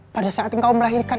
pada saat engkau melahirkan